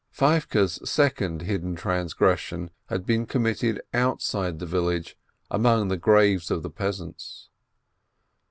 Feivke's second hidden transgression had been com mitted outside the village, among the graves of the peasants.